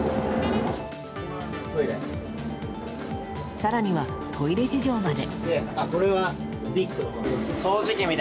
更にはトイレ事情まで。